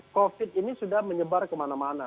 covid ini sudah menyebar kemana mana